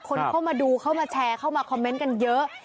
คนเข้ามาดูเข้ามาแชร์เข้ามาคอมเมนต์กันเยอะ